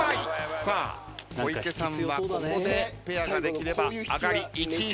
さあ小池さんはここでペアができれば上がり１位フィニッシュです。